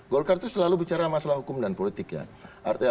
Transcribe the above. golkar itu selalu bicara masalah hukum dan politik ya